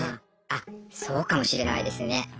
あそうかもしれないですね。